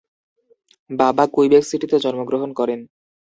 বাবা কুইবেক সিটিতে জন্মগ্রহণ করেন।